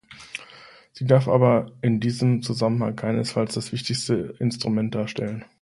Sie darf aber in diesem Zusammenhang keinesfalls das wichtigste Instrument darstellen.